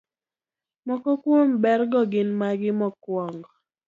Moko kuom bergo gin magi: Mokwongo,